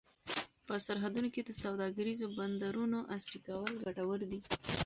په سرحدونو کې د سوداګریزو بندرونو عصري کول ګټور دي.